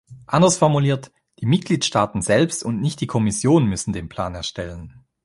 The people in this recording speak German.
Anders formuliert, die Mitgliedstaaten selbst und nicht die Kommission müssen den Plan erstellen.